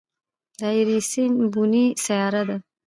د ایرېس بونې سیاره ده.